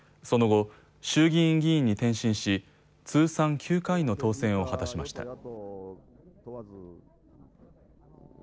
その後、衆議院議員に転身し通算９回の当選を果たしました。